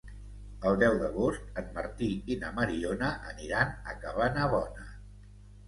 El deu d'agost en Martí i na Mariona aniran a Cabanabona.